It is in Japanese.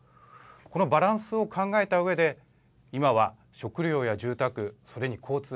このバランスを考えたうえで今は食料や住宅、それに交通